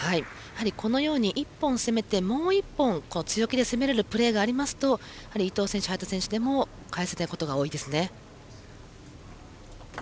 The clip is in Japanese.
このように１本攻めてもう１本、強気で攻めれるプレーがありますと伊藤選手、早田選手でも返せないことが多いですね。